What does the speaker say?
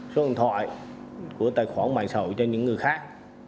số điện thoại của tài khoản mạng sầu cho những người khác